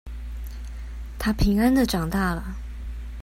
她平安的長大了